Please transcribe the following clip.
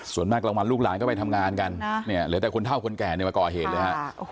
ส่วนมากกลางวันลูกหลานก็ไปทำงานกันเนี่ยเหลือแต่คนเท่าคนแก่เนี่ยมาก่อเหตุเลยฮะ